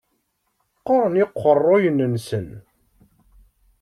Qquren yiqerruyen-nsen.